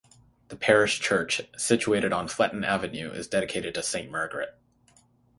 The parish church, situated on Fletton Avenue, is dedicated to Saint Margaret.